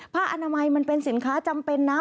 อนามัยมันเป็นสินค้าจำเป็นนะ